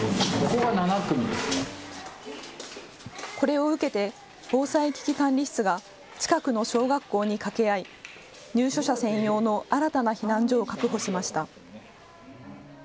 これを受けて防災危機管理室が近くの小学校に掛け合い入所者専用の新たな避難所を確保しました。